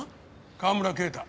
川村啓太。